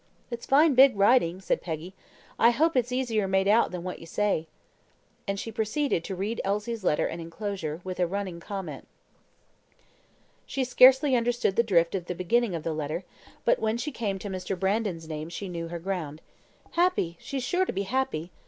"It's fine big writing," said Peggy. "I hope it's easier made out than what you say," and she proceeded to read Elsie's letter and enclosure, with a running comment. She scarcely understood the drift of the beginning of the letter, but when she came to Mr. Brandon's name she knew her ground. "Happy! she's sure to be happy!